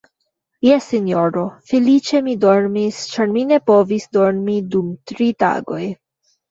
Jes, sinjoro, feliĉe mi dormis, ĉar mi ne povis dormi dum tri tagoj.